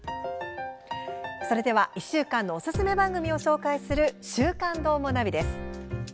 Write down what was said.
それでは１週間のおすすめ番組を紹介する「週刊どーもナビ」です。